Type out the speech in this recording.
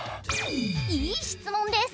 いい質問です！